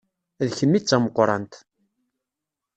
D kemm i d tameqqrant.